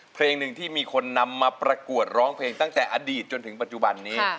เพลงหนึ่งที่มีคนนำมาประกวดร้องเพลงตั้งแต่อดีตจนถึงปัจจุบันนี้